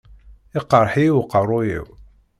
Iqreḥ-iyi uqerruy-iw.